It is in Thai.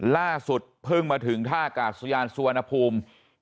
ล่าสุดเพิ่งมาถึงท่ากาศยานสุวรรณภูมิ